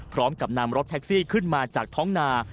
พร้อมกับนำรถแท็กซี่ขึ้นมาจากท้องนา